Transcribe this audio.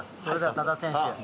それでは多田選手。